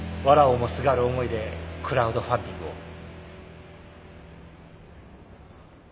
わらをもすがる思いでクラウドファンディングを。